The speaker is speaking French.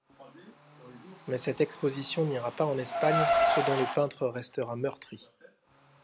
Mais cette exposition n'ira pas en Espagne, ce dont le peintre restera meurtri.